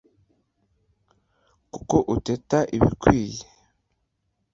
Kuko uteta ubikwiye,